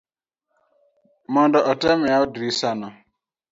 mondo otem yawo drisa no